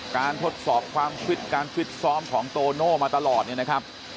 ทดสอบความฟิตการฟิตซ้อมของโตโน่มาตลอดเนี่ยนะครับ